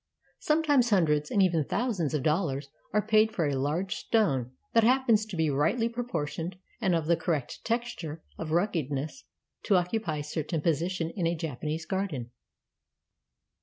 Sometimes hundreds and even thousands of dollars are paid for a large stone that happens to be rightly proportioned and of the correct texture of ruggedness to occupy a certain position in a Japanese garden.